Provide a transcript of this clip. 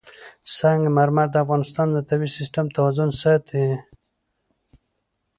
سنگ مرمر د افغانستان د طبعي سیسټم توازن ساتي.